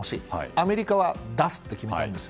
アメリカは出すと決めたんです。